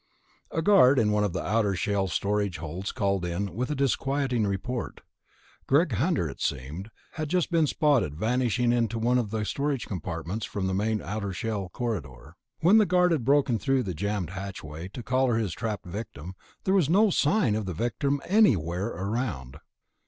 A guard in one of the outer shell storage holds called in with a disquieting report. Greg Hunter, it seemed, had just been spotted vanishing into one of the storage compartments from the main outer shell corridor. When the guard had broken through the jammed hatchway to collar his trapped victim, there was no sign of the victim anywhere around.